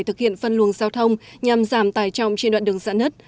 thực hiện phân luồng giao thông nhằm giảm tài trọng trên đoạn đường dã nứt